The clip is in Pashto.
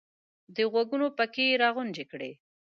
د غوږونو پکې یې را غونجې کړې !